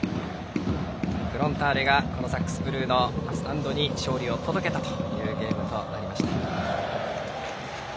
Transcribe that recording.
フロンターレがサックスブルーのスタンドに勝利を届けたというゲームとなりました。